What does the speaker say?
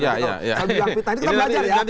ini kita belajar ya